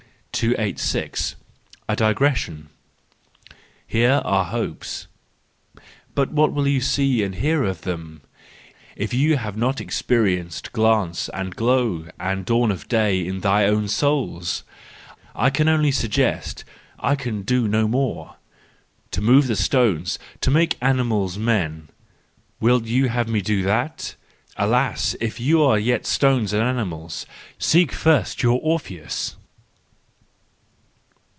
286. A Digression .—Here are hopes; but what will you see and hear of them, if you have not experi¬ enced glance and glow and dawn of day in your own souls ? I can only suggest—I cannot do more! To move the stones, to make animals men—would you have me do that ? Alas, if you are yet stones and animals, seek first your Orpheus